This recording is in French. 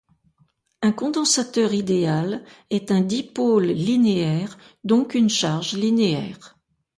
Un condensateur idéal est un dipôle linéaire, donc une charge linéaire.